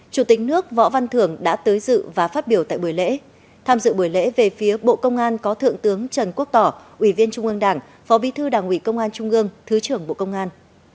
chủ tịch nước võ văn thưởng đã tới dự và phát biểu tại buổi lễ tham dự buổi lễ về phía bộ công an có thượng tướng trần quốc tỏ ủy viên trung ương đảng phó bí thư đảng ủy công an trung ương thứ trưởng bộ công an